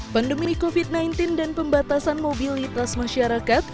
pandemi covid sembilan belas dan pembatasan mobilitas masyarakat